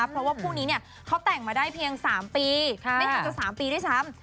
เพราะว่าคู่นี้เนี่ยเขาแต่งมาได้เพียง๓ปีไม่ถึงจะ๓ปีด้วยซ้ำ